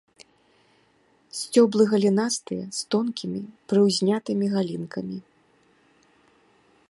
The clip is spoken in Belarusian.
Сцёблы галінастыя, з тонкімі прыўзнятымі галінкамі.